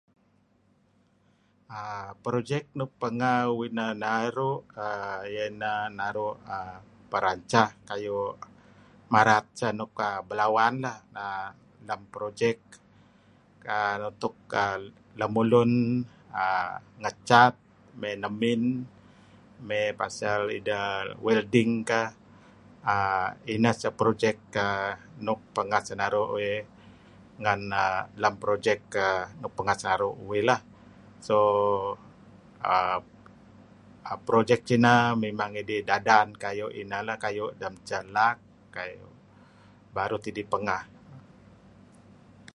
uhm Projek nuk pangeh uih neh naru' uhm iyeh ineh naru peraca' kayu' marat eceh belawan uhm lem projek nutuk uhm lemulun uhm ngecat may nemin may pasal ideh welding kah uhm ineh sah projek nuk pangeh sinaru' uih ngen uhm projek pangeh sinaru' uih. Projek sineh mimang adan kayu' jarak. kayu' baru idih pangeh.